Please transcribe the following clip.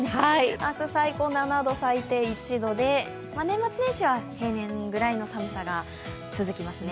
明日最高７度、最低１度で年末年始は平年ぐらいの寒さが続きますね。